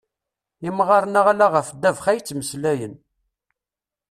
Imɣaren-a ala ɣef ddabex ay ttmeslayen.